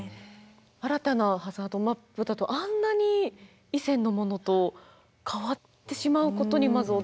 新たなハザードマップだとあんなに以前のものと変わってしまうことにまず驚きましたし。